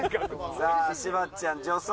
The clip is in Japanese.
さあ柴っちゃん助走